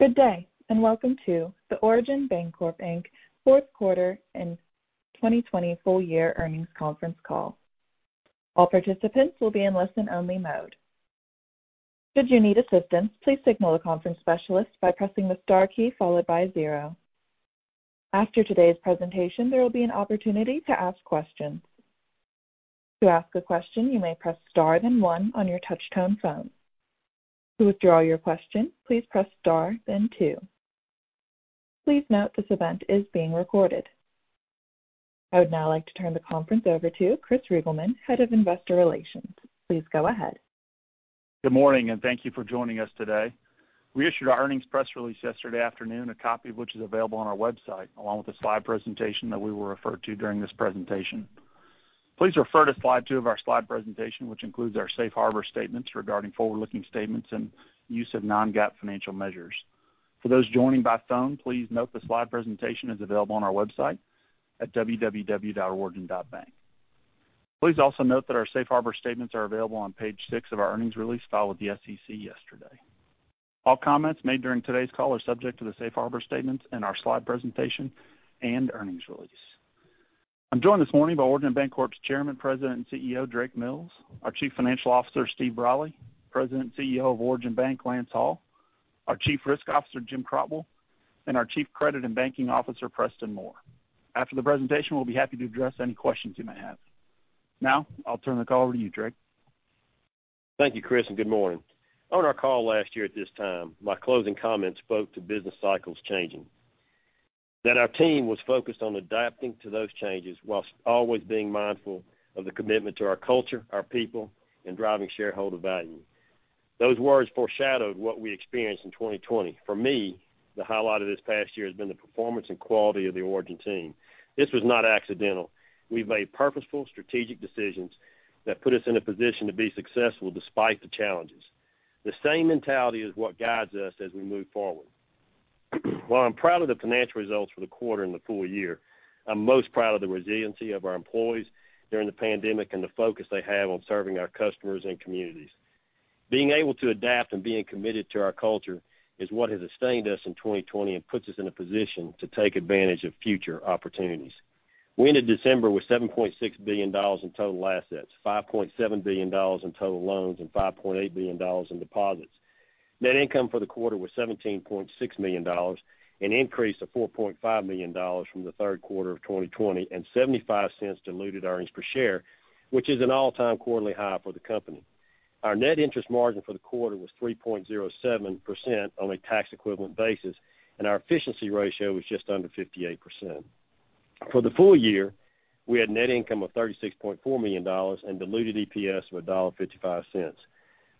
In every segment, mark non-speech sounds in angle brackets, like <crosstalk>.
Good day, and welcome to the Origin Bancorp Inc fourth quarter and 2020 full year earnings conference call. All participants will be in listen only mode. Should you need assistance, please signal a conference specialist by pressing the star key followed by zero. After today's presentation, there will be an opportunity to ask a question. To ask the question, you may press star then one on your touchtone phone. To withdraw your question, please press star then two. Please note this event is being recorded. I would now like to turn the conference over to Chris Reigelman, Head of Investor Relations. Please go ahead. Good morning, and thank you for joining us today. We issued our earnings press release yesterday afternoon, a copy of which is available on our website, along with the slide presentation that we will refer to during this presentation. Please refer to slide two of our slide presentation, which includes our safe harbor statements regarding forward-looking statements and use of non-GAAP financial measures. For those joining by phone, please note the slide presentation is available on our website at www.origin.bank. Please also note that our safe harbor statements are available on page six of our earnings release filed with the SEC yesterday. All comments made during today's call are subject to the safe harbor statements in our slide presentation and earnings release. I'm joined this morning by Origin Bancorp's Chairman, President, and CEO, Drake Mills, our Chief Financial Officer, Steve Brolly, President and CEO of Origin Bank, Lance Hall, our Chief Risk Officer, Jim Crotwell, and our Chief Credit and Banking Officer, Preston Moore. After the presentation, we'll be happy to address any questions you may have. I'll turn the call over to you, Drake. Thank you, Chris, and good morning. On our call last year at this time, my closing comments spoke to business cycles changing, that our team was focused on adapting to those changes while always being mindful of the commitment to our culture, our people, and driving shareholder value. Those words foreshadowed what we experienced in 2020. For me, the highlight of this past year has been the performance and quality of the Origin team. This was not accidental. We've made purposeful, strategic decisions that put us in a position to be successful despite the challenges. The same mentality is what guides us as we move forward. While I'm proud of the financial results for the quarter and the full year, I'm most proud of the resiliency of our employees during the pandemic and the focus they have on serving our customers and communities. Being able to adapt and being committed to our culture is what has sustained us in 2020 and puts us in a position to take advantage of future opportunities. We ended December with $7.6 billion in total assets, $5.7 billion in total loans, and $5.8 billion in deposits. Net income for the quarter was $17.6 million, an increase of $4.5 million from the third quarter of 2020, and $0.75 diluted earnings per share, which is an all-time quarterly high for the company. Our net interest margin for the quarter was 3.07% on a tax-equivalent basis, and our efficiency ratio was just under 58%. For the full year, we had net income of $36.4 million and diluted EPS of $1.55.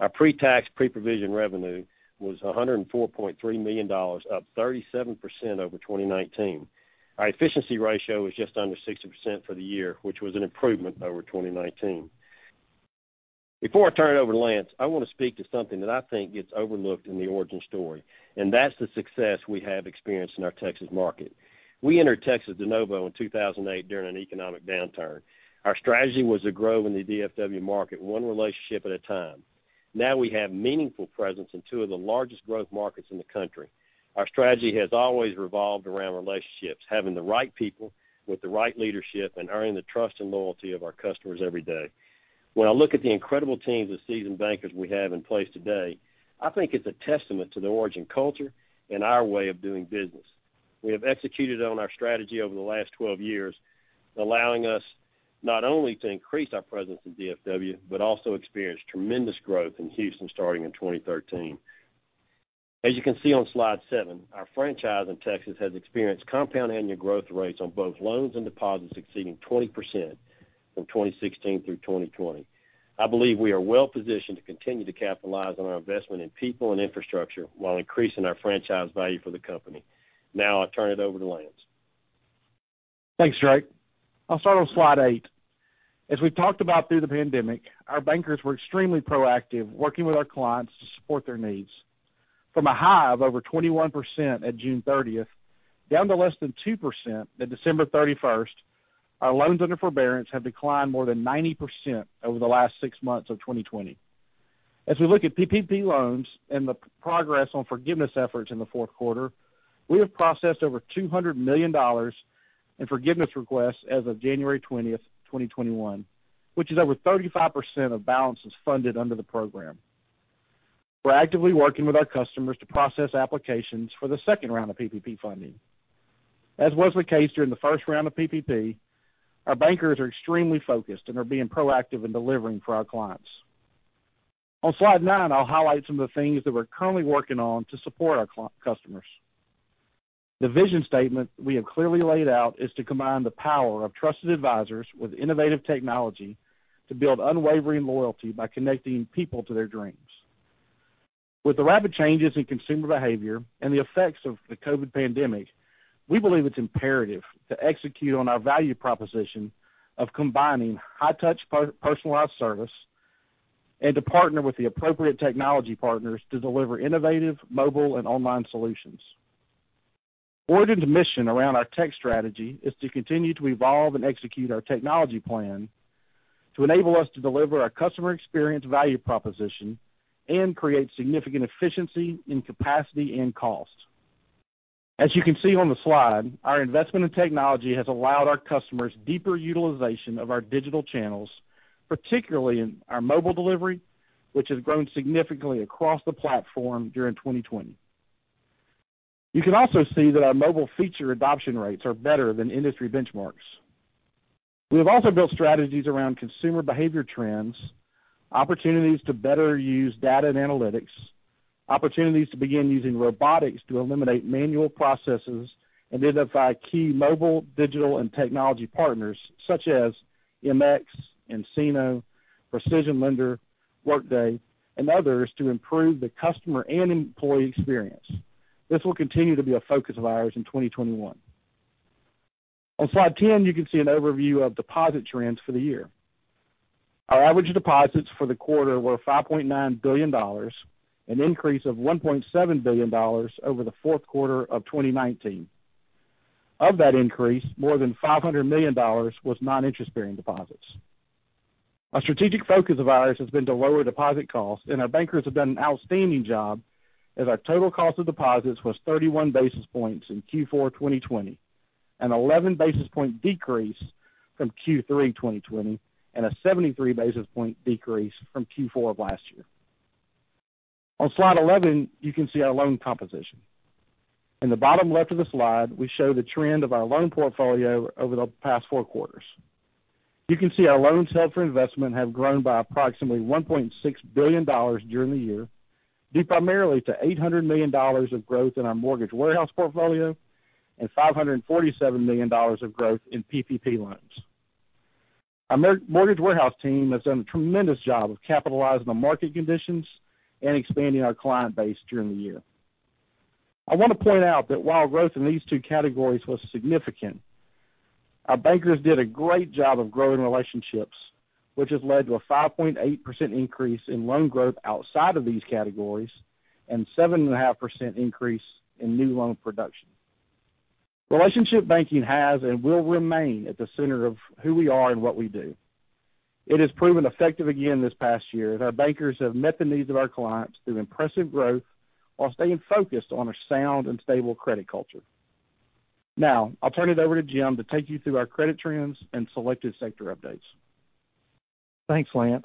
Our pre-tax, pre-provision revenue was $104.3 million, up 37% over 2019. Our efficiency ratio was just under 60% for the year, which was an improvement over 2019. Before I turn it over to Lance, I want to speak to something that I think gets overlooked in the Origin story, and that's the success we have experienced in our Texas market. We entered Texas de novo in 2008 during an economic downturn. Our strategy was to grow in the DFW market one relationship at a time. Now we have meaningful presence in two of the largest growth markets in the country. Our strategy has always revolved around relationships, having the right people with the right leadership, and earning the trust and loyalty of our customers every day. When I look at the incredible teams of seasoned bankers we have in place today, I think it's a testament to the Origin culture and our way of doing business. We have executed on our strategy over the last 12 years, allowing us not only to increase our presence in DFW, but also experience tremendous growth in Houston starting in 2013. As you can see on slide seven, our franchise in Texas has experienced compound annual growth rates on both loans and deposits exceeding 20% from 2016 through 2020. I believe we are well-positioned to continue to capitalize on our investment in people and infrastructure while increasing our franchise value for the company. Now I turn it over to Lance. Thanks, Drake. I'll start on slide eight. As we've talked about through the pandemic, our bankers were extremely proactive, working with our clients to support their needs. From a high of over 21% at June 30th, down to less than 2% at December 31st, our loans under forbearance have declined more than 90% over the last six months of 2020. As we look at PPP loans and the progress on forgiveness efforts in the fourth quarter, we have processed over $200 million in forgiveness requests as of January 20th, 2021, which is over 35% of balances funded under the program. We're actively working with our customers to process applications for the second round of PPP funding. As was the case during the first round of PPP, our bankers are extremely focused and are being proactive in delivering for our clients. On slide nine, I'll highlight some of the things that we're currently working on to support our customers. The vision statement we have clearly laid out is to combine the power of trusted advisors with innovative technology to build unwavering loyalty by connecting people to their dreams. With the rapid changes in consumer behavior and the effects of the COVID pandemic, we believe it's imperative to execute on our value proposition of combining high-touch personalized service and to partner with the appropriate technology partners to deliver innovative mobile and online solutions. Origin's mission around our tech strategy is to continue to evolve and execute our technology plan to enable us to deliver our customer experience value proposition and create significant efficiency in capacity and cost. As you can see on the slide, our investment in technology has allowed our customers deeper utilization of our digital channels, particularly in our mobile delivery, which has grown significantly across the platform during 2020. You can also see that our mobile feature adoption rates are better than industry benchmarks. We have also built strategies around consumer behavior trends, opportunities to better use data and analytics, opportunities to begin using robotics to eliminate manual processes and identify key mobile, digital, and technology partners such as MX, nCino, PrecisionLender, Workday, and others to improve the customer and employee experience. This will continue to be a focus of ours in 2021. On slide 10, you can see an overview of deposit trends for the year. Our average deposits for the quarter were $5.9 billion, an increase of $1.7 billion over the fourth quarter of 2019. Of that increase, more than $500 million was non-interest-bearing deposits. A strategic focus of ours has been to lower deposit costs, and our bankers have done an outstanding job as our total cost of deposits was 31 basis points in Q4 2020, an 11 basis point decrease from Q3 2020 and a 73 basis point decrease from Q4 of last year. On slide 11, you can see our loan composition. In the bottom left of the slide, we show the trend of our loan portfolio over the past four quarters. You can see our loans held for investment have grown by approximately $1.6 billion during the year, due primarily to $800 million of growth in our mortgage warehouse portfolio and $547 million of growth in PPP loans. Our mortgage warehouse team has done a tremendous job of capitalizing on market conditions and expanding our client base during the year. I want to point out that while growth in these two categories was significant, our bankers did a great job of growing relationships, which has led to a 5.8% increase in loan growth outside of these categories and 7.5% increase in new loan production. Relationship banking has and will remain at the center of who we are and what we do. It has proven effective again this past year, as our bankers have met the needs of our clients through impressive growth while staying focused on a sound and stable credit culture. Now, I'll turn it over to Jim to take you through our credit trends and selective sector updates. Thanks, Lance.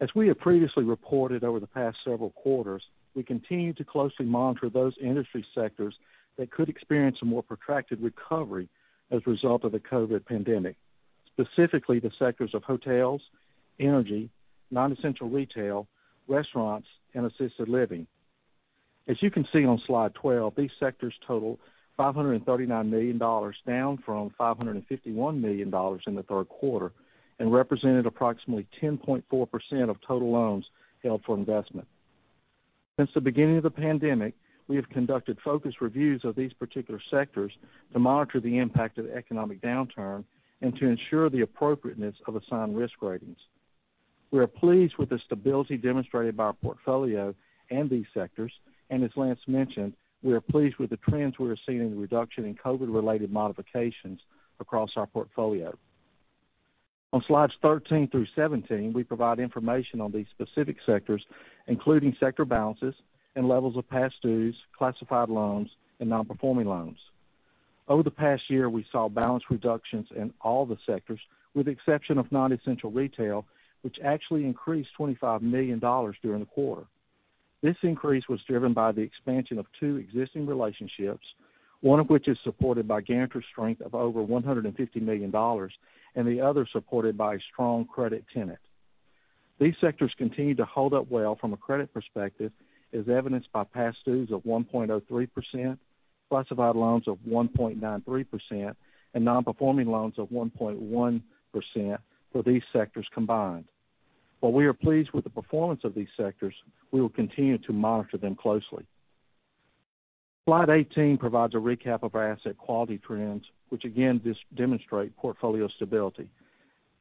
As we have previously reported over the past several quarters, we continue to closely monitor those industry sectors that could experience a more protracted recovery as a result of the COVID pandemic, specifically the sectors of hotels, energy, non-essential retail, restaurants, and assisted living. As you can see on slide 12, these sectors total $539 million, down from $551 million in the third quarter, and represented approximately 10.4% of total loans held for investment. Since the beginning of the pandemic, we have conducted focused reviews of these particular sectors to monitor the impact of economic downturn and to ensure the appropriateness of assigned risk ratings. We are pleased with the stability demonstrated by our portfolio and these sectors, and as Lance mentioned, we are pleased with the trends we are seeing in the reduction in COVID-related modifications across our portfolio. On slides 13 through 17, we provide information on these specific sectors, including sector balances and levels of past dues, classified loans, and non-performing loans. Over the past year, we saw balance reductions in all the sectors, with the exception of non-essential retail, which actually increased $25 million during the quarter. This increase was driven by the expansion of two existing relationships, one of which is supported by guarantor strength of over $150 million, and the other supported by a strong credit tenant. These sectors continue to hold up well from a credit perspective, as evidenced by past dues of 1.03%, classified loans of 1.93%, and non-performing loans of 1.1% for these sectors combined. While we are pleased with the performance of these sectors, we will continue to monitor them closely. Slide 18 provides a recap of our asset quality trends, which again, demonstrate portfolio stability.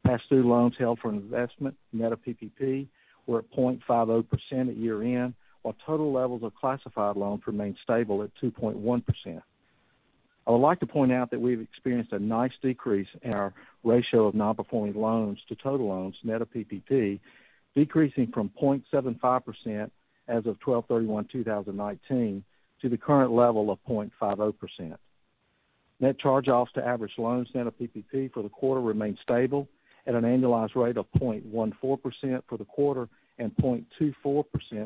Past due loans held for investment net of PPP were at 0.50% at year-end, while total levels of classified loans remained stable at 2.1%. I would like to point out that we've experienced a nice decrease in our ratio of non-performing loans to total loans net of PPP, decreasing from 0.75% as of 12/31/2019 to the current level of 0.50%. Net charge-offs to average loans net of PPP for the quarter remained stable at an annualized rate of 0.14% for the quarter and 0.24%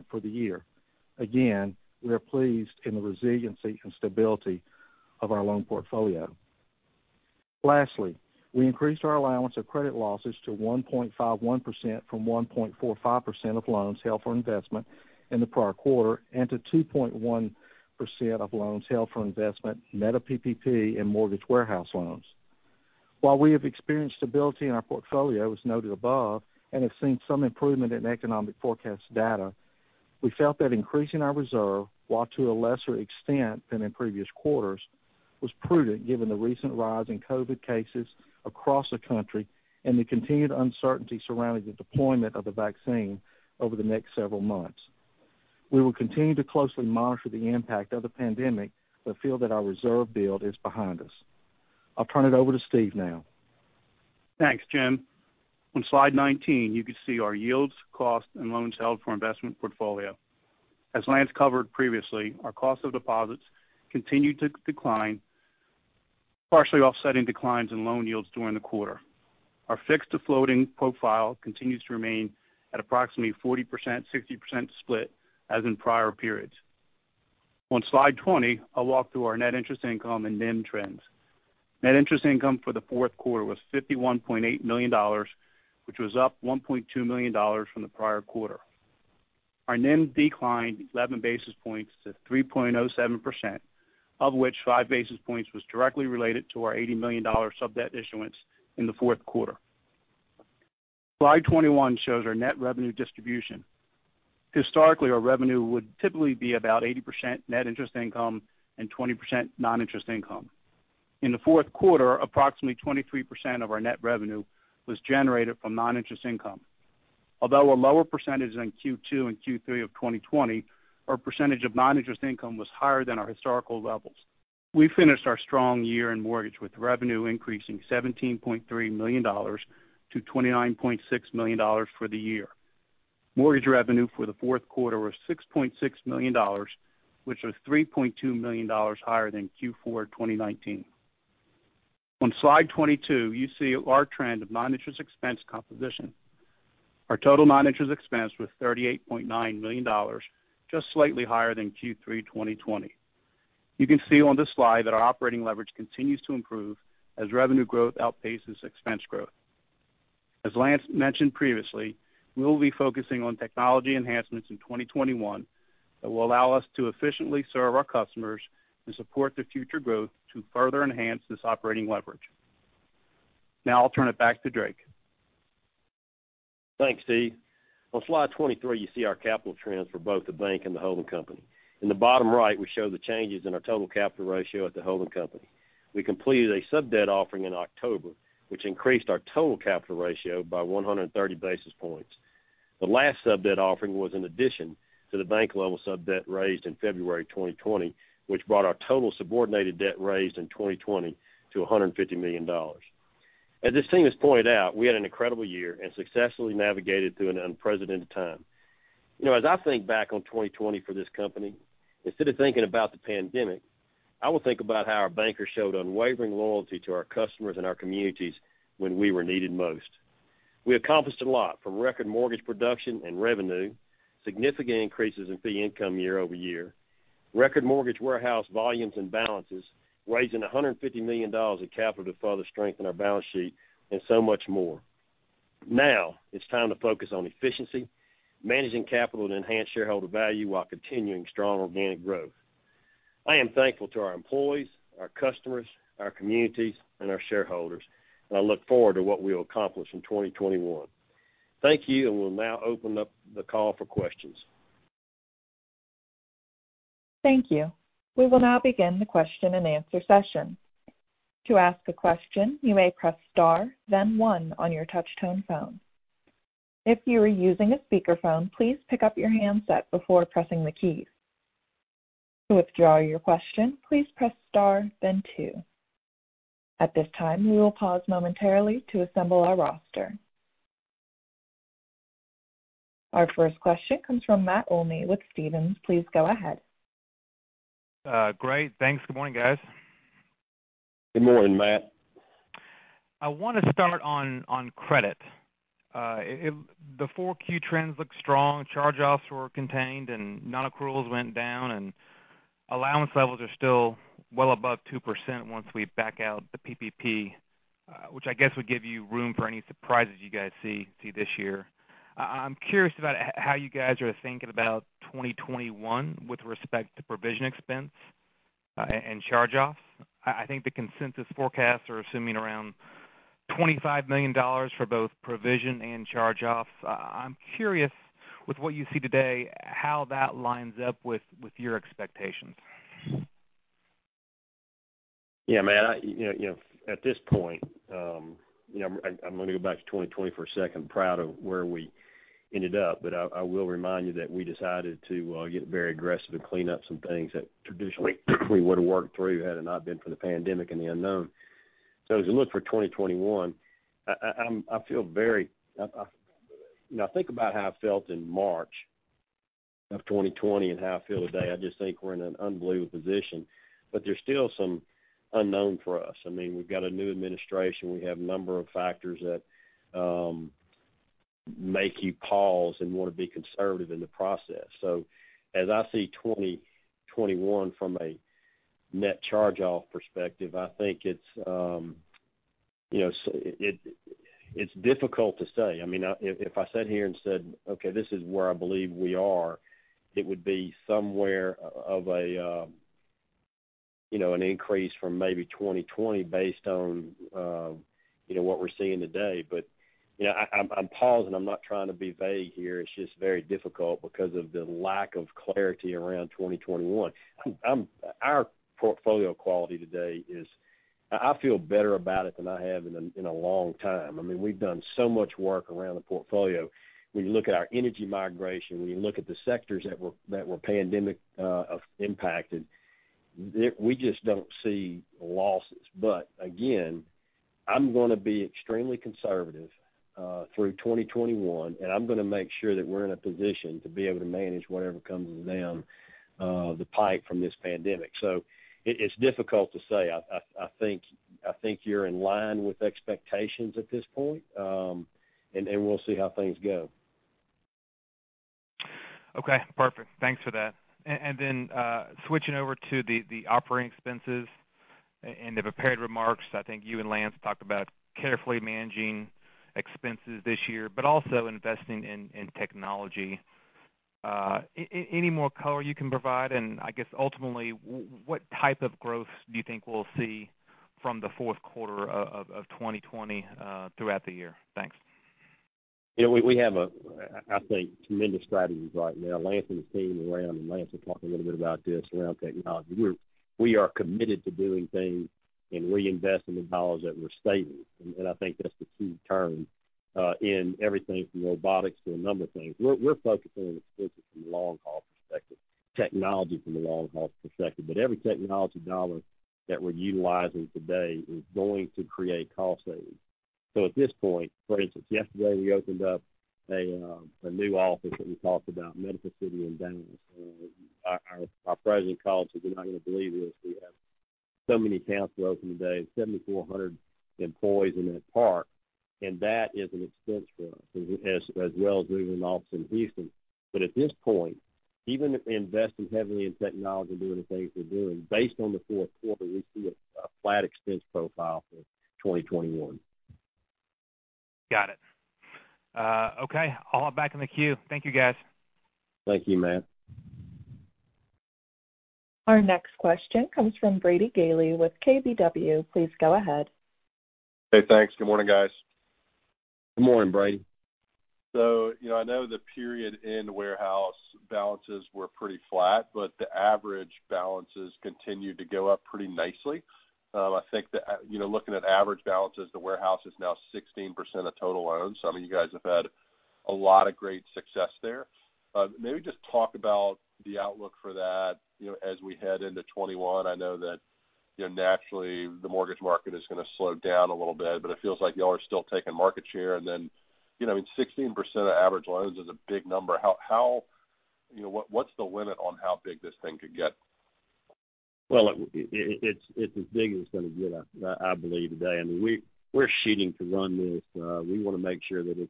for the year. Again, we are pleased in the resiliency and stability of our loan portfolio. Lastly, we increased our allowance of credit losses to 1.51% from 1.45% of loans held for investment in the prior quarter and to 2.1% of loans held for investment net of PPP and mortgage warehouse loans. While we have experienced stability in our portfolio, as noted above, and have seen some improvement in economic forecast data, we felt that increasing our reserve, while to a lesser extent than in previous quarters. Was prudent given the recent rise in COVID cases across the country and the continued uncertainty surrounding the deployment of the vaccine over the next several months. We will continue to closely monitor the impact of the pandemic, but feel that our reserve build is behind us. I'll turn it over to Steve now. Thanks, Jim. On slide 19, you can see our yields, costs, and loans held for investment portfolio. As Lance covered previously, our cost of deposits continued to decline, partially offsetting declines in loan yields during the quarter. Our fixed-to-floating profile continues to remain at approximately 40%-60% split as in prior periods. On slide 20, I'll walk through our net interest income and NIM trends. Net interest income for the fourth quarter was $51.8 million, which was up $1.2 million from the prior quarter. Our NIM declined 11 basis points to 3.07%, of which five basis points was directly related to our $80 million sub-debt issuance in the fourth quarter. Slide 21 shows our net revenue distribution. Historically, our revenue would typically be about 80% net interest income and 20% non-interest income. In the fourth quarter, approximately 23% of our net revenue was generated from non-interest income. Although a lower percentage than Q2 and Q3 of 2020, our percentage of non-interest income was higher than our historical levels. We finished our strong year in mortgage with revenue increasing $17.3 million-$29.6 million for the year. Mortgage revenue for the fourth quarter was $6.6 million, which was $3.2 million higher than Q4 2019. On slide 22, you see our trend of non-interest expense composition. Our total non-interest expense was $38.9 million, just slightly higher than Q3 2020. You can see on this slide that our operating leverage continues to improve as revenue growth outpaces expense growth. As Lance mentioned previously, we will be focusing on technology enhancements in 2021 that will allow us to efficiently serve our customers and support their future growth to further enhance this operating leverage. Now I'll turn it back to Drake. Thanks, Steve. On slide 23, you see our capital trends for both the bank and the holding company. In the bottom right, we show the changes in our total capital ratio at the holding company. We completed a sub-debt offering in October, which increased our total capital ratio by 130 basis points. The last sub-debt offering was in addition to the bank-level sub-debt raised in February 2020, which brought our total subordinated debt raised in 2020 to $150 million. As this team has pointed out, we had an incredible year and successfully navigated through an unprecedented time. As I think back on 2020 for this company, instead of thinking about the pandemic, I will think about how our bankers showed unwavering loyalty to our customers and our communities when we were needed most. We accomplished a lot, from record mortgage production and revenue, significant increases in fee income year-over-year, record mortgage warehouse volumes and balances, raising $150 million of capital to further strengthen our balance sheet, and so much more. Now it's time to focus on efficiency, managing capital to enhance shareholder value while continuing strong organic growth. I am thankful to our employees, our customers, our communities, and our shareholders, and I look forward to what we'll accomplish in 2021. Thank you, and we'll now open up the call for questions. Thank you. We will now begin the question and answer session. To ask a question, you may press star then one on your touch-tone phone. If you are using a speakerphone, please pick up your handset before pressing the keys. To withdraw your question, please press star then two. At this time, we will pause momentarily to assemble our roster. Our first question comes from Matt Olney with Stephens. Please go ahead. Great. Thanks. Good morning, guys. Good morning, Matt. I want to start on credit. The four key trends look strong. Charge-offs were contained, non-accruals went down, allowance levels are still well above 2% once we back out the PPP, which I guess would give you room for any surprises you guys see this year. I'm curious about how you guys are thinking about 2021 with respect to provision expense and charge-offs. I think the consensus forecasts are assuming around $25 million for both provision and charge-offs. I'm curious with what you see today, how that lines up with your expectations. Yeah, Matt, at this point, I'm going to go back to 2020 for a second. Proud of where we ended up, I will remind you that we decided to get very aggressive and clean up some things that traditionally we would've worked through had it not been for the pandemic and the unknown. As we look for 2021, I think about how I felt in March of 2020 and how I feel today. I just think we're in an unbelievable position. There's still some unknown for us. We've got a new administration. We have a number of factors that make you pause and want to be conservative in the process. As I see 2021 from a net charge-off perspective, I think it's difficult to say. If I sat here and said, "Okay, this is where I believe we are," it would be somewhere of an increase from maybe 2020 based on what we're seeing today. I'm pausing. I'm not trying to be vague here. It's just very difficult because of the lack of clarity around 2021. Our portfolio quality today is, I feel better about it than I have in a long time. We've done so much work around the portfolio. When you look at our energy migration, when you look at the sectors that were pandemic impacted, we just don't see losses. Again, I'm going to be extremely conservative through 2021, and I'm going to make sure that we're in a position to be able to manage whatever comes down the pipe from this pandemic. It's difficult to say. I think you're in line with expectations at this point, and we'll see how things go. Okay, perfect. Thanks for that. Switching over to the operating expenses. In the prepared remarks, I think you and Lance talked about carefully managing expenses this year, but also investing in technology. Any more color you can provide? I guess ultimately, what type of growth do you think we'll see from the fourth quarter of 2020 throughout the year? Thanks. We have, I think, tremendous strategies right now. Lance and the team around, and Lance will talk a little bit about this, around technology. We are committed to doing things and reinvesting the dollars that we're saving. I think that's the key term in everything from robotics to a number of things. We're focusing on expenses from a long haul perspective, technology from a long haul perspective, but every technology dollar that we're utilizing today is going to create cost savings. At this point, for instance, yesterday, we opened up a new office that we talked about, Medical City in Dallas. Our president called us. He said, "You're not going to believe this. We have so many accounts we opened today, 7,400 employees in that park." That is an expense for us, as well as moving the office in Houston. At this point, even investing heavily in technology and doing the things we're doing, based on the fourth quarter, we see a flat expense profile for 2021. Got it. Okay, I'll hop back in the queue. Thank you, guys. Thank you, Matt. Our next question comes from Brady Gailey with KBW. Please go ahead. Hey, thanks. Good morning, guys. Good morning, Brady. I know the period-end warehouse balances were pretty flat, but the average balances continued to go up pretty nicely. I think that looking at average balances, the warehouse is now 16% of total loans. You guys have had a lot of great success there. Maybe just talk about the outlook for that as we head into 2021. I know that naturally the mortgage market is going to slow down a little bit, but it feels like you all are still taking market share. 16% of average loans is a big number. What's the limit on how big this thing could get? Well, it's as big as it's going to get, I believe today. We're shooting to run this. We want to make sure that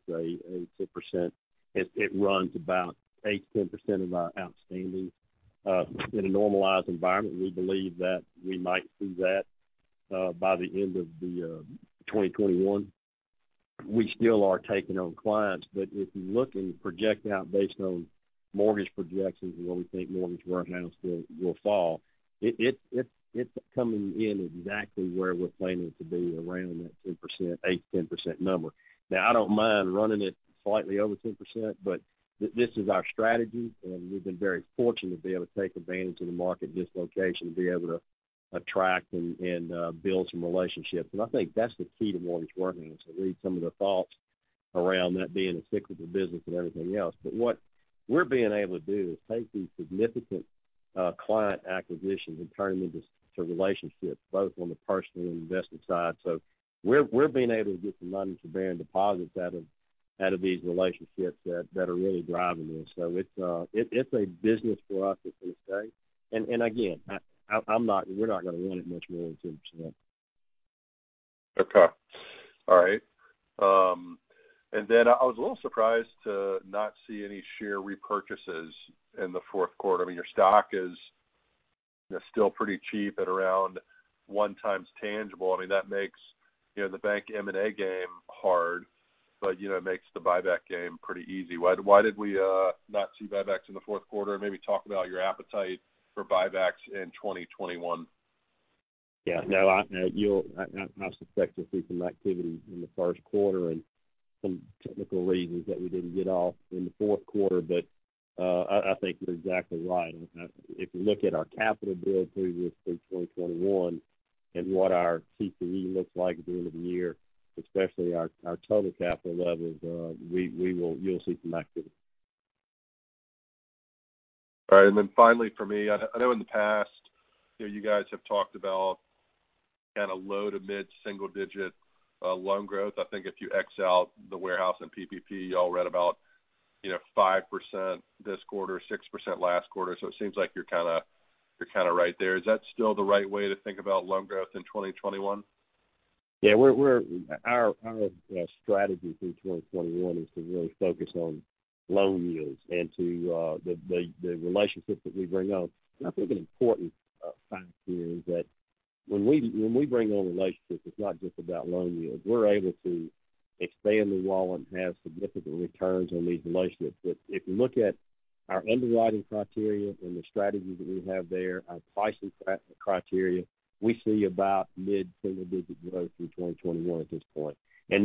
it runs about 8%-10% of our outstanding. In a normalized environment, we believe that we might see that by the end of 2021. We still are taking on clients. If you look and project out based on mortgage projections and where we think mortgage warehouse will fall, it's coming in exactly where we're planning to be around that 8%-10% number. Now, I don't mind running it slightly over 10%. This is our strategy. We've been very fortunate to be able to take advantage of the market dislocation, to be able to attract and build some relationships. I think that's the key to mortgage working is to read some of the thoughts around that being a cyclical business and everything else. What we're being able to do is take these significant client acquisitions and turn them into relationships, both on the personal and investment side. We're being able to get some non-interest-bearing deposits out of these relationships that are really driving this. It's a business for us at this stage. Again, we're not <audio distortion> Okay. All right. I was a little surprised to not see any share repurchases in the fourth quarter. Your stock is still pretty cheap at around one times tangible. That makes the bank M&A game hard, but it makes the buyback game pretty easy. Why did we not see buybacks in the fourth quarter? Maybe talk about your appetite for buybacks in 2021. Yeah. I suspect you'll see some activity in the first quarter and some technical reasons that we didn't get off in the fourth quarter. I think you're exactly right. If you look at our capital build through 2021 and what our CET1 looks like at the end of the year, especially our total capital levels, you'll see some activity. All right. Finally from me, I know in the past, you guys have talked about low to mid-single-digit loan growth. I think if you X out the warehouse and PPP, you all read about 5% this quarter, 6% last quarter. It seems like you're right there. Is that still the right way to think about loan growth in 2021? Yeah. Our strategy through 2021 is to really focus on loan yields and the relationships that we bring on. I think an important fact here is that when we bring on relationships, it's not just about loan yields. We're able to expand the wallet and have significant returns on these relationships. If you look at our underwriting criteria and the strategies that we have there, our pricing criteria, we see about mid-single-digit growth through 2021 at this point. Again,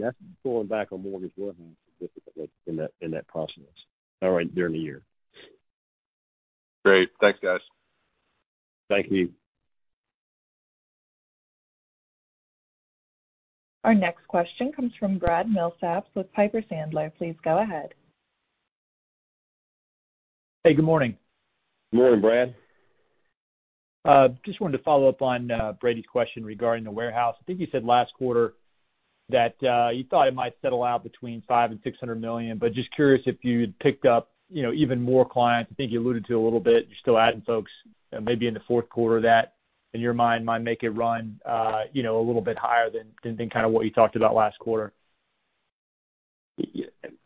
that's pulling back on mortgage warehousing significantly in that process all right during the year. Great. Thanks, guys. Thank you. Our next question comes from Brad Milsaps with Piper Sandler. Please go ahead. Hey, good morning. Good morning, Brad. Just wanted to follow up on Brady's question regarding the warehouse. I think you said last quarter that you thought it might settle out between $500 million and $600 million, but just curious if you'd picked up even more clients. I think you alluded to a little bit, you're still adding folks maybe in the fourth quarter that, in your mind might make it run a little bit higher than kind of what you talked about last quarter.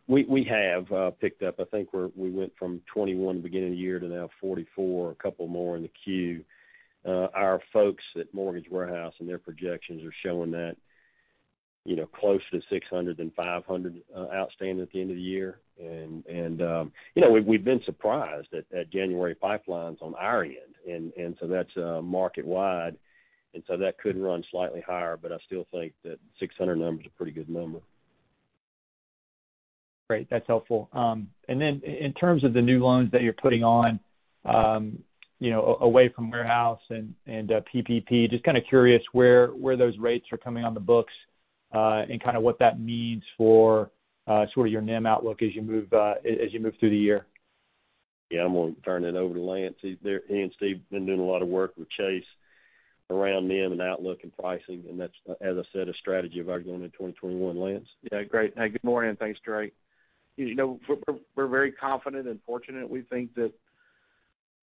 We have picked up. I think we went from 21 the beginning of the year to now 44, a couple more in the queue. Our folks at Mortgage Warehouse and their projections are showing that close to 600 and 500 outstanding at the end of the year. We've been surprised at January pipelines on our end, and so that's market-wide, and so that could run slightly higher, but I still think that 600 number is a pretty good number. Great. That's helpful. In terms of the new loans that you're putting on away from Warehouse and PPP, just kind of curious where those rates are coming on the books, and kind of what that means for sort of your NIM outlook as you move through the year. Yeah, I'm going to turn it over to Lance. He and Steve have been doing a lot of work with Chase around NIM and outlook and pricing, and that's, as I said, a strategy of ours going into 2021. Lance? Great. Good morning. Thanks, Drake. We're very confident and fortunate. We think that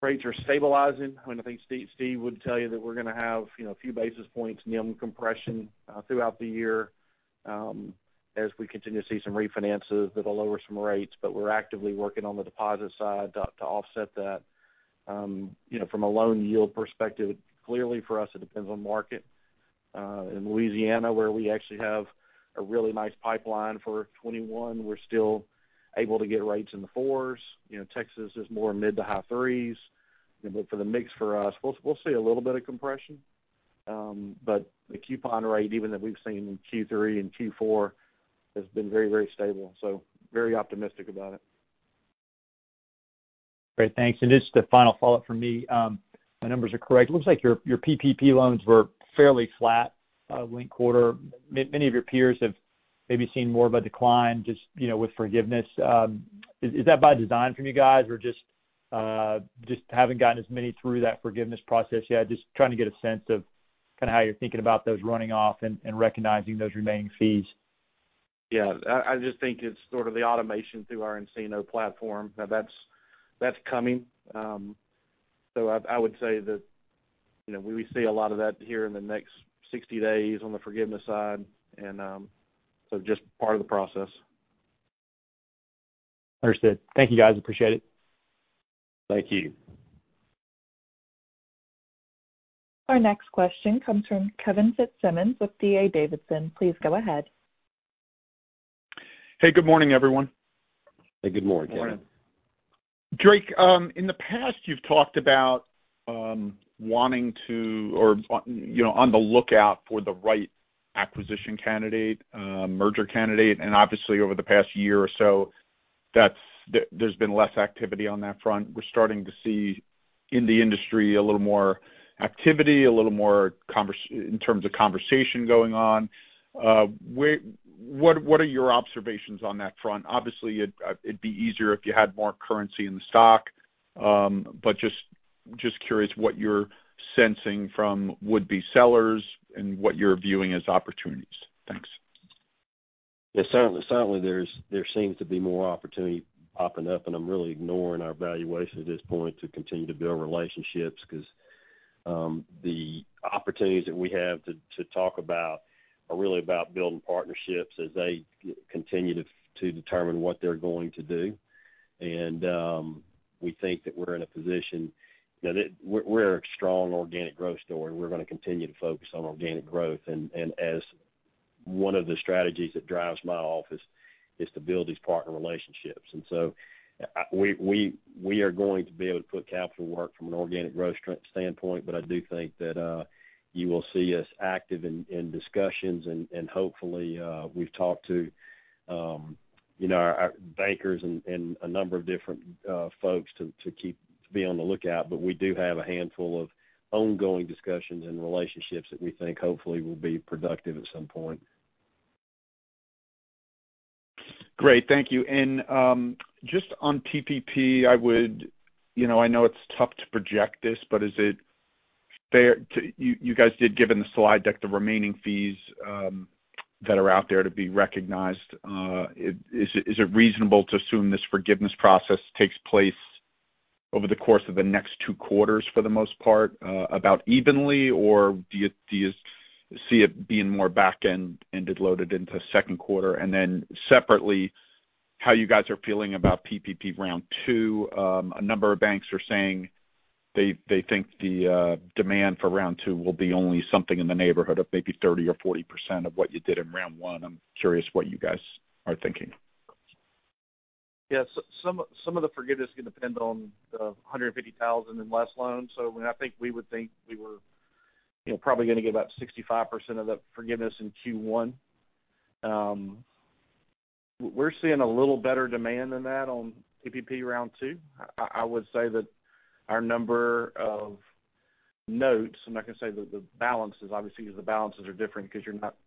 rates are stabilizing. I think Steve would tell you that we're going to have a few basis points NIM compression throughout the year, as we continue to see some refinances that'll lower some rates. We're actively working on the deposit side to offset that. From a loan yield perspective, clearly for us, it depends on market. In Louisiana, where we actually have a really nice pipeline for 2021, we're still able to get rates in the 4s. Texas is more mid-to-high 3s. For the mix for us, we'll see a little bit of compression. The coupon rate, even that we've seen in Q3 and Q4, has been very stable. Very optimistic about it. Great. Thanks. Just a final follow-up from me. My numbers are correct. Looks like your PPP loans were fairly flat linked quarter. Many of your peers have maybe seen more of a decline just with forgiveness. Is that by design from you guys or just haven't gotten as many through that forgiveness process yet? Just trying to get a sense of kind of how you're thinking about those running off and recognizing those remaining fees. Yeah. I just think it's sort of the automation through our nCino platform. Now that's coming. I would say that we see a lot of that here in the next 60 days on the forgiveness side, and so just part of the process. Understood. Thank you, guys. Appreciate it. Thank you. Our next question comes from Kevin Fitzsimmons with D.A. Davidson. Please go ahead. Hey, good morning, everyone. Hey, good morning, Kevin. Morning. Drake, in the past, you've talked about wanting to, or on the lookout for the right acquisition candidate, merger candidate, and obviously over the past year or so, there's been less activity on that front. We're starting to see in the industry a little more activity, a little more in terms of conversation going on. What are your observations on that front? Obviously, it'd be easier if you had more currency in the stock, but just curious what you're sensing from would-be sellers and what you're viewing as opportunities. Thanks. Yes, certainly, there seems to be more opportunity popping up, and I'm really ignoring our valuation at this point to continue to build relationships because the opportunities that we have to talk about are really about building partnerships as they continue to determine what they're going to do. We think that we're in a position that we're a strong organic growth story. We're going to continue to focus on organic growth. As one of the strategies that drives my office is to build these partner relationships. We are going to be able to put capital to work from an organic growth standpoint, but I do think that you will see us active in discussions and hopefully we've talked to our bankers and a number of different folks to be on the lookout. We do have a handful of ongoing discussions and relationships that we think hopefully will be productive at some point. Great. Thank you. Just on PPP, I know it's tough to project this, but you guys did give in the slide deck the remaining fees that are out there to be recognized. Is it reasonable to assume this forgiveness process takes place over the course of the next two quarters for the most part about evenly, or do you see it being more back-end loaded into second quarter? Separately, how you guys are feeling about PPP round two. A number of banks are saying. They think the demand for round two will be only something in the neighborhood of maybe 30% or 40% of what you did in round one. I'm curious what you guys are thinking. Yes, some of the forgiveness is going to depend on the $150,000 and less loans. I think we would think we were probably going to get about 65% of the forgiveness in Q1. We're seeing a little better demand than that on PPP round two. I would say that our number of notes, I'm not going to say the balances, obviously, because the balances are different because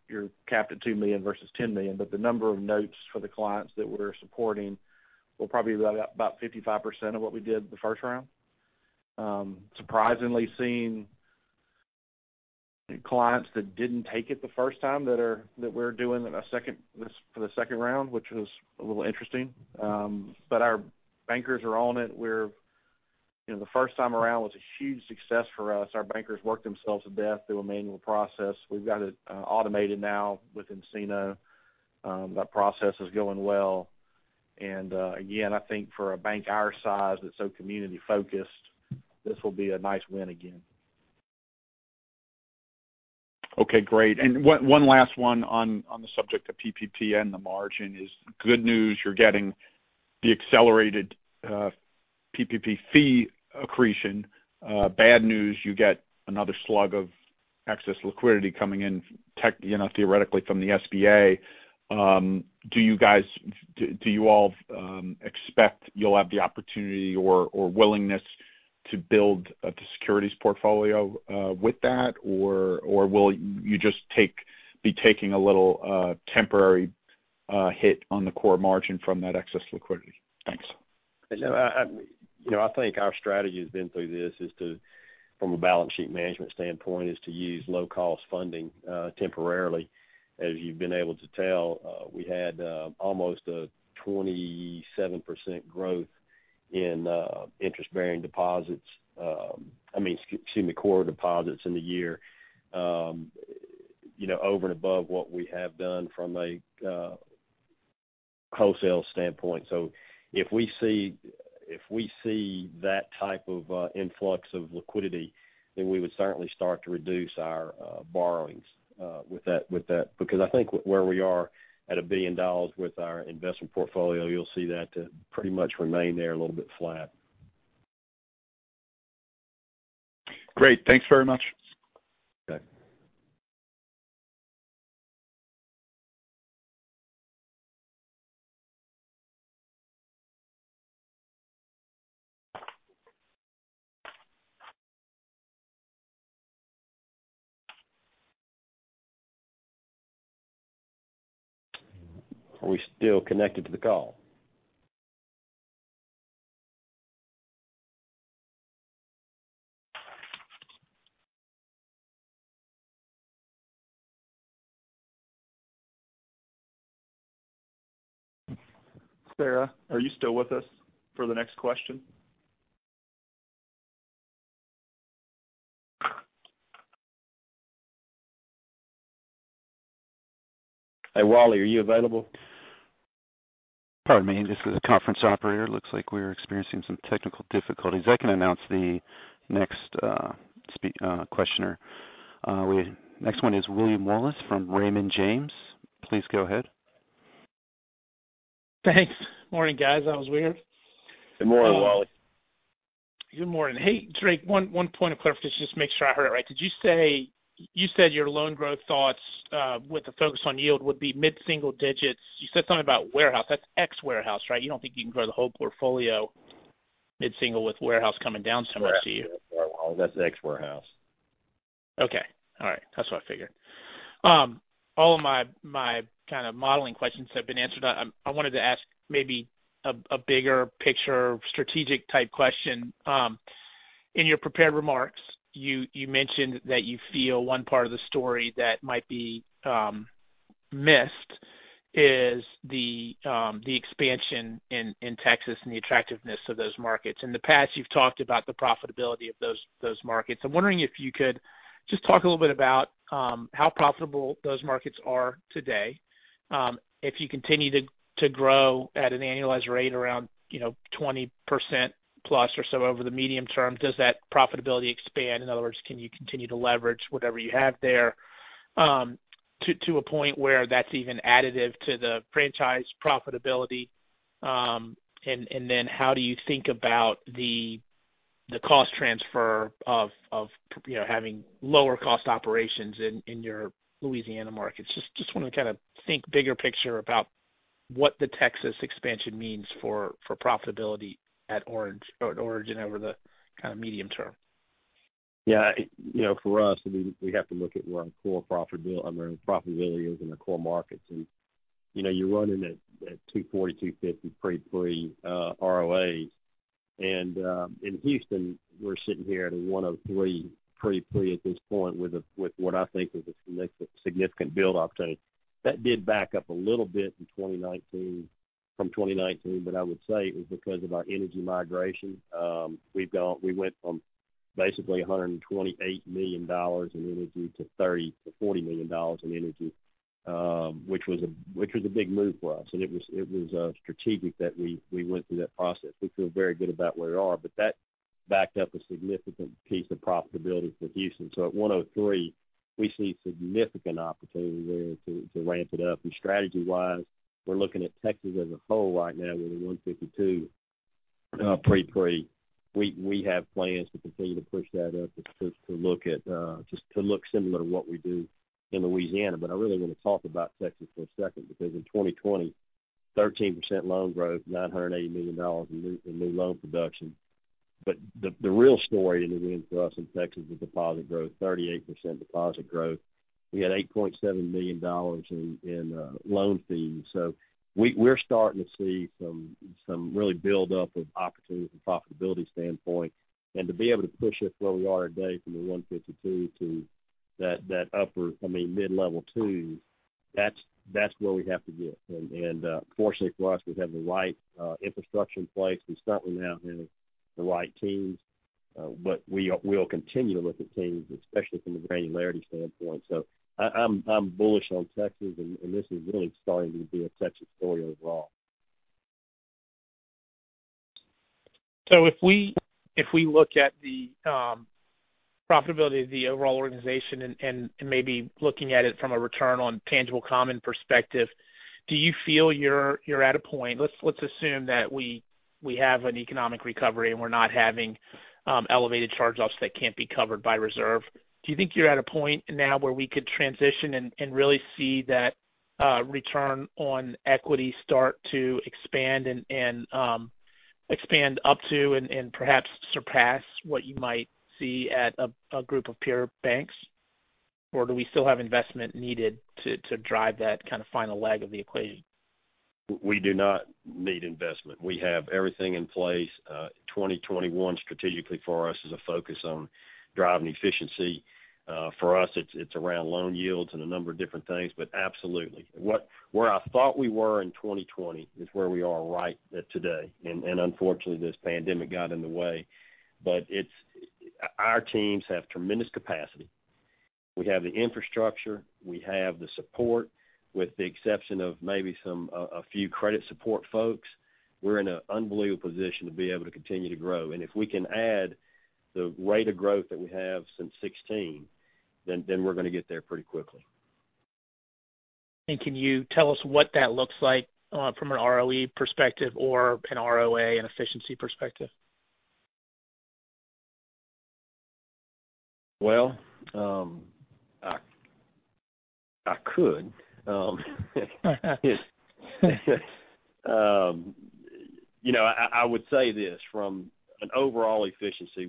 you're capped at $2 million versus $10 million. The number of notes for the clients that we're supporting will probably be right at about 55% of what we did the first round. Surprisingly seeing clients that didn't take it the first time that we're doing for the second round, which was a little interesting. Our bankers are on it. The first time around was a huge success for us. Our bankers worked themselves to death through a manual process. We've got it automated now with nCino. That process is going well. Again, I think for a bank our size that's so community-focused, this will be a nice win again. Okay, great. One last one on the subject of PPP and the margin is good news, you're getting the accelerated PPP fee accretion. Bad news, you get another slug of excess liquidity coming in theoretically from the SBA. Do you all expect you'll have the opportunity or willingness to build the securities portfolio with that? Or will you just be taking a little temporary hit on the core margin from that excess liquidity? Thanks. I think our strategy has been through this, from a balance sheet management standpoint, is to use low-cost funding temporarily. As you've been able to tell, we had almost a 27% growth in interest-bearing deposits. Excuse me, core deposits in the year over and above what we have done from a wholesale standpoint. If we see that type of influx of liquidity, then we would certainly start to reduce our borrowings with that, because I think where we are at $1 billion with our investment portfolio, you'll see that pretty much remain there a little bit flat. Great. Thanks very much. Okay. Are we still connected to the call? Sarah, are you still with us for the next question? Hey, Wally, are you available? Pardon me. This is the conference operator. Looks like we are experiencing some technical difficulties. I can announce the next questioner. Next one is Wally Wallace from Raymond James. Please go ahead. Thanks. Morning, guys. That was weird. Good morning, Wally. Good morning. Hey, Drake, one point of clarification just to make sure I heard it right. You said your loan growth thoughts with the focus on yield would be mid-single digits. You said something about warehouse. That's ex-warehouse, right? You don't think you can grow the whole portfolio mid-single with warehouse coming down so much, do you? Correct. Yeah, Wally, that's ex-warehouse. Okay. All right. That's what I figured. All of my kind of modeling questions have been answered. I wanted to ask maybe a bigger picture, strategic type question. In your prepared remarks, you mentioned that you feel one part of the story that might be missed is the expansion in Texas and the attractiveness of those markets. In the past, you've talked about the profitability of those markets. I'm wondering if you could just talk a little bit about how profitable those markets are today. If you continue to grow at an annualized rate around 20%+ or so over the medium term, does that profitability expand? In other words, can you continue to leverage whatever you have there to a point where that's even additive to the franchise profitability? Then how do you think about the cost transfer of having lower cost operations in your Louisiana markets? Just want to kind of think bigger picture about what the Texas expansion means for profitability at Origin over the kind of medium term. Yeah. For us, we have to look at where our profitability is in the core markets, you're running at 240-250 pre-pre ROAs. In Houston, we're sitting here at a 103 pre-pre at this point with what I think is a significant build opportunity. That did back up a little bit from 2019, but I would say it was because of our energy migration. We went from basically $128 million in energy to $30 million-$40 million in energy. Which was a big move for us. It was strategic that we went through that process. We feel very good about where we are, but that backed up a significant piece of profitability for Houston. At 103, we see significant opportunity there to ramp it up. Strategy-wise, we're looking at Texas as a whole right now with a 152 pre-pre. We have plans to continue to push that up just to look similar to what we do in Louisiana. I really want to talk about Texas for a second, because in 2020, 13% loan growth, $980 million in new loan production. The real story in the end for us in Texas is deposit growth, 38% deposit growth. We had $8.7 million in loan fees. We're starting to see some really build up of opportunity from profitability standpoint. To be able to push it where we are today from the 152 to that upper, I mean, mid-level twos, that's where we have to get. Fortunately for us, we have the right infrastructure in place. We certainly now have the right teams. We'll continue to look at teams, especially from the granularity standpoint. I'm bullish on Texas, and this is really starting to be a Texas story as well. If we look at the profitability of the overall organization and maybe looking at it from a return on tangible common perspective, do you feel you're at a point? Let's assume that we have an economic recovery, and we're not having elevated charge-offs that can't be covered by reserve. Do you think you're at a point now where we could transition and really see that return on equity start to expand up to and perhaps surpass what you might see at a group of peer banks? Or do we still have investment needed to drive that kind of final leg of the equation? We do not need investment. We have everything in place. 2021 strategically for us is a focus on driving efficiency. For us, it's around loan yields and a number of different things, absolutely. Where I thought we were in 2020 is where we are right at today. Unfortunately, this pandemic got in the way. Our teams have tremendous capacity. We have the infrastructure, we have the support. With the exception of maybe a few credit support folks, we're in an unbelievable position to be able to continue to grow. If we can add the rate of growth that we have since 2016, we're going to get there pretty quickly. Can you tell us what that looks like from an ROE perspective or an ROA and efficiency perspective? I could. I would say this, from an overall efficiency,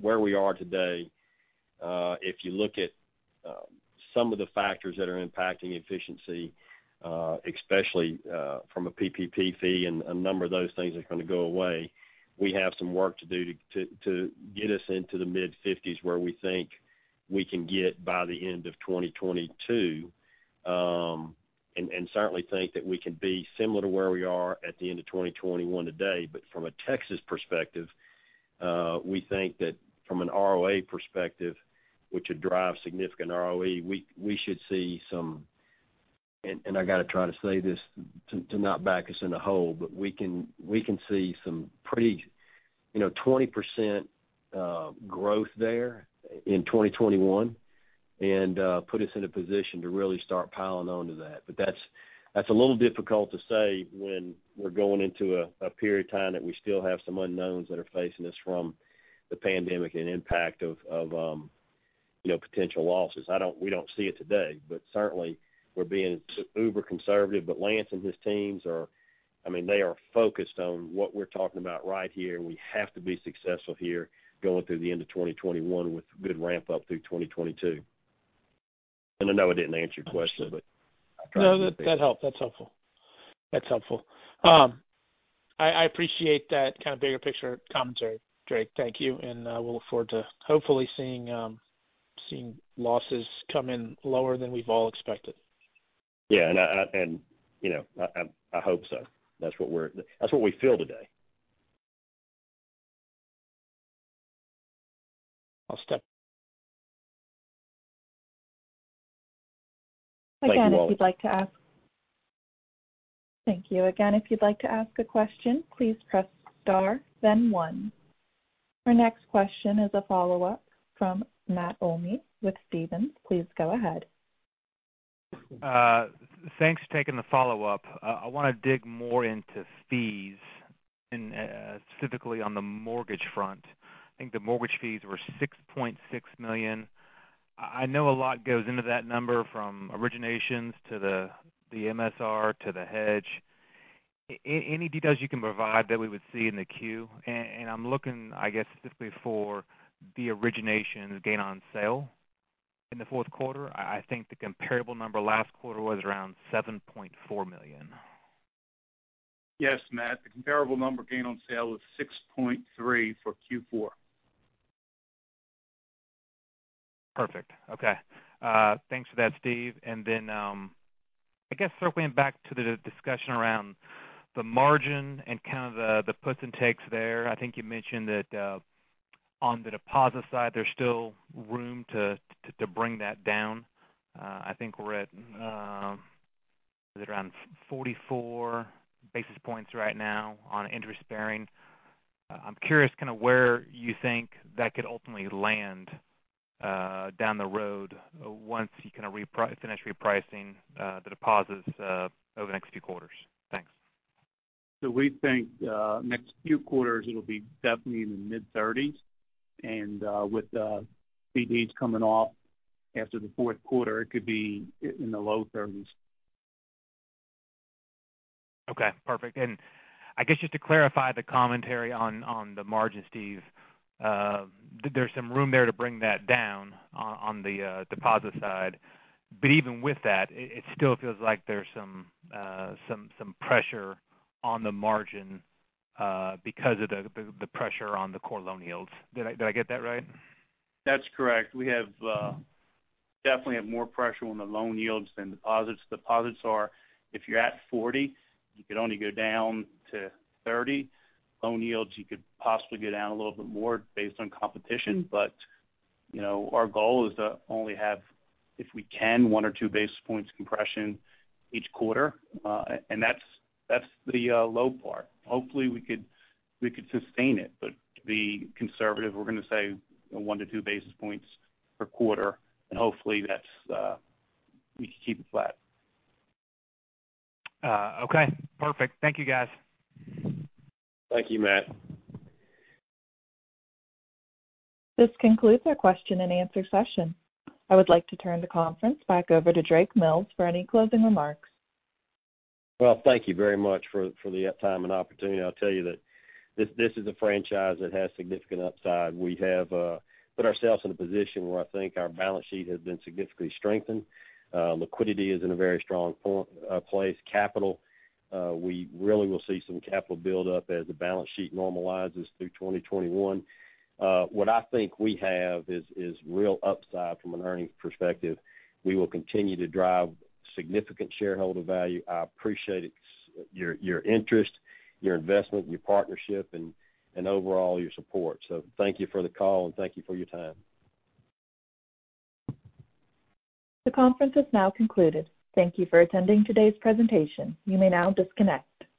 where we are today, if you look at some of the factors that are impacting efficiency, especially from a PPP fee and a number of those things are going to go away, we have some work to do to get us into the mid-50s, where we think we can get by the end of 2022. Certainly think that we can be similar to where we are at the end of 2021 today. From a Texas perspective, we think that from an ROA perspective, which would drive significant ROE, we should see some, and I got to try to say this to not back us in a hole, but we can see some pretty, 20% growth there in 2021 and put us in a position to really start piling on to that. That's a little difficult to say when we're going into a period of time that we still have some unknowns that are facing us from the pandemic and impact of potential losses. We don't see it today. Certainly, we're being uber conservative. Lance and his teams are focused on what we're talking about right here, and we have to be successful here going through the end of 2021 with good ramp up through 2022. I know I didn't answer your question, but I tried my best. No, that helped. That's helpful. I appreciate that kind of bigger picture commentary, Drake. Thank you. We'll look forward to hopefully seeing losses come in lower than we've all expected. Yeah. I hope so. That's what we feel today. I'll step. Thank you. If you'd like to ask a question, please press star then one. Our next question is a follow-up from Matt Olney with Stephens. Please go ahead. Thanks for taking the follow-up. I want to dig more into fees, and specifically on the mortgage front. I think the mortgage fees were $6.6 million. I know a lot goes into that number, from originations to the MSR to the hedge. Any details you can provide that we would see in the Q? I'm looking, I guess, specifically for the origination gain on sale in the fourth quarter. I think the comparable number last quarter was around $7.4 million. Yes, Matt, the comparable number gain on sale was $6.3 for Q4. Perfect. Okay. Thanks for that, Steve. Then I guess circling back to the discussion around the margin and kind of the puts and takes there. I think you mentioned that on the deposit side, there's still room to bring that down. I think we're at around 44 basis points right now on interest-bearing. I'm curious kind of where you think that could ultimately land down the road once you finish repricing the deposits over the next few quarters. Thanks. We think next few quarters it'll be definitely in the mid-30s. With the CDs coming off after the fourth quarter, it could be in the low 30s. Okay, perfect. I guess just to clarify the commentary on the margin, Steve, there's some room there to bring that down on the deposit side. Even with that, it still feels like there's some pressure on the margin because of the pressure on the core loan yields. Did I get that right? That's correct. We definitely have more pressure on the loan yields than deposits. Deposits are, if you're at 40, you could only go down to 30. Loan yields, you could possibly go down a little bit more based on competition. Our goal is to only have, if we can, 1 or 2 basis points compression each quarter, and that's the low part. Hopefully, we could sustain it, but to be conservative, we're going to say one to two basis points per quarter, and hopefully we can keep it flat. Okay, perfect. Thank you guys. Thank you, Matt. This concludes our question and answer session. I would like to turn the conference back over to Drake Mills for any closing remarks. Thank you very much for the time and opportunity. I'll tell you that this is a franchise that has significant upside. We have put ourselves in a position where I think our balance sheet has been significantly strengthened. Liquidity is in a very strong place. Capital, we really will see some capital build up as the balance sheet normalizes through 2021. What I think we have is real upside from an earnings perspective. We will continue to drive significant shareholder value. I appreciate your interest, your investment, your partnership, and overall, your support. Thank you for the call, and thank you for your time. The conference has now concluded. Thank you for attending today's presentation. You may now disconnect.